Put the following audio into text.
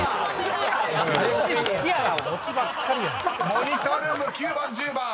［モニタールーム９番１０番］